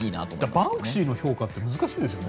バンクシーの評価って難しいですよね。